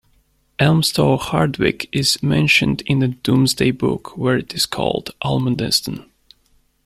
Elmstone-Hardwicke is mentioned in the Domesday Book, where it is called Almundeston.